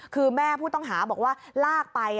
คือแม่ผู้ต้องหาบอกว่าลากไป